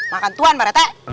makan tuan pak rete